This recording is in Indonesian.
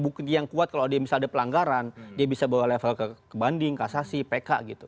bukti yang kuat kalau dia misalnya ada pelanggaran dia bisa bawa level ke banding kasasi pk gitu